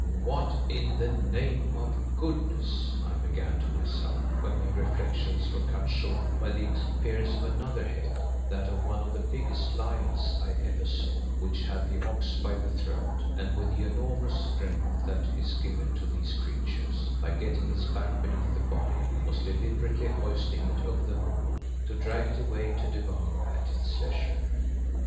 "What in the name of goodness——" I began to myself, when my reflections were cut short by the appearance of another head, that of one of the biggest lions I ever saw, which had the ox by the throat, and with the enormous strength that is given to these creatures, by getting its back beneath the body, was deliberately hoisting it over the wall, to drag it away to devour at its leisure.